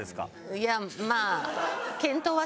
いやまあ。